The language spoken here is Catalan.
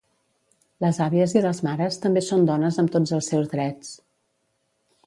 Les àvies i les mares també són dones amb tots els seus drets.